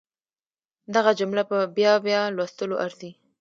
دغه جمله په بيا بيا لوستلو ارزي.